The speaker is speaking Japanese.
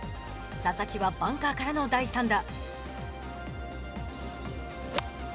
ささきはバンカーからの第３打。